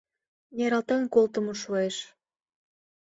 Нералтен колтымо шуэш.